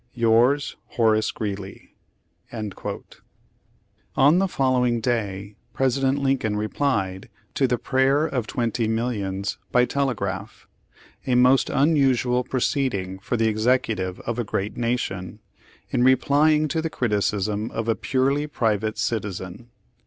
"Yours, Horace Greeley." ■ On the following day President Lincoln replied to "The Prayer of Twenty Millions" by telegraph, a most unusual proceeding for the Executive of a great Nation, in replying to the criticism of a purely private citizen.